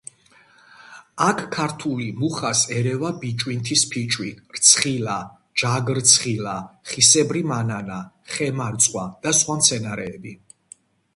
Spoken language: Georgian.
აქ ქართული მუხას ერევა ბიჭვინთის ფიჭვი, რცხილა, ჯაგრცხილა, ხისებრი მანანა, ხემარწყვა და სხვა მცენარეები.